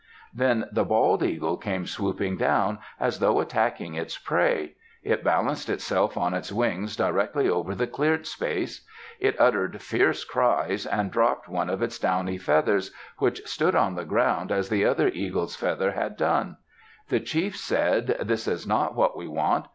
Then the bald eagle came swooping down, as though attacking its prey. It balanced itself on its wings directly over the cleared space. It uttered fierce cries, and dropped one of its downy feathers, which stood on the ground as the other eagle's feather had done. The chief said, "This is not what we want."